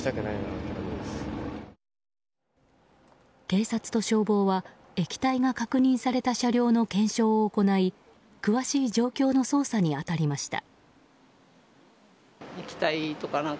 警察と消防は液体が確認された車両の検証を行い詳しい状況の捜査に当たりました。